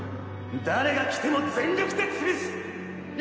誰が来ても全力で潰す！